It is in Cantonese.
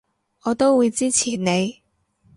我都會支持你